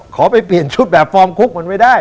ขอไปเปลี่ยนชุดแบบฟอร์มคุกมันไม่ได้